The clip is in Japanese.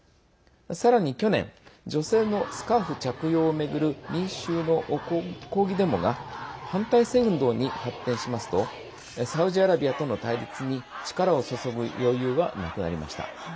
さらに去年女性のスカーフ着用を巡る民衆の抗議デモが反体制運動に発展しますとサウジアラビアとの対立に力を注ぐ余裕はなくなりました。